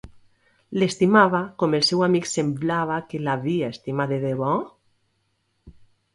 L'estimava com el seu amic semblava que l'havia estimat de debò?